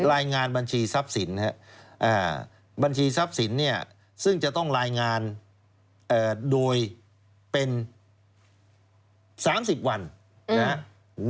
รายงานบัญชีทรัพย์สินนะครับบัญชีทรัพย์สินเนี่ยซึ่งจะต้องรายงานโดยเป็น๓๐วันนะครับ